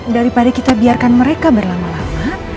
daripada kita biarkan mereka berlama lama